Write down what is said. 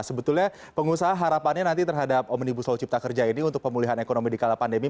sebetulnya pengusaha harapannya nanti terhadap omnibus law cipta kerja ini untuk pemulihan ekonomi di kala pandemi